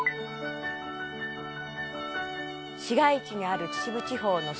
「市街地にある秩父地方の総社」